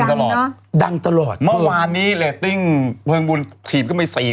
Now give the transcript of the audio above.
ตลอดดังตลอดเมื่อวานนี้เรตติ้งเพลิงบุญถีบขึ้นไปสี่